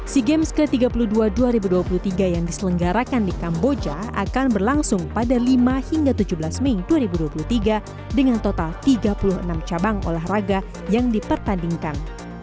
sea games ke tiga puluh dua dua ribu dua puluh tiga yang diselenggarakan di kamboja akan berlangsung pada lima hingga tujuh belas mei dua ribu dua puluh tiga dengan total tiga puluh enam cabang olahraga yang dipertandingkan